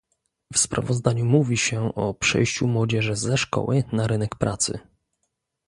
W sprawozdaniu mówi się o przejściu młodzieży ze szkoły na rynek pracy